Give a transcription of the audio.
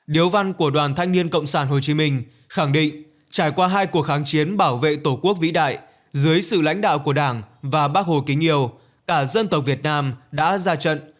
điếu văn của đoàn thanh niên cộng sản hồ chí minh khẳng định trải qua hai cuộc kháng chiến bảo vệ tổ quốc vĩ đại dưới sự lãnh đạo của đảng và bác hồ kính yêu cả dân tộc việt nam đã ra trận